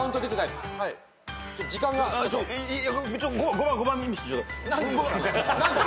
５番５番見せて。